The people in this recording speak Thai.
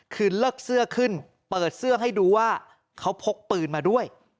คือเลิกเสื้อขึ้นเปิดเสื้อให้ดูว่าเขาพกปืนมาด้วย